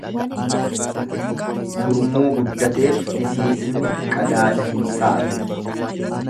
Gurmuu guddateef tisiisni qadaada hin saaqu.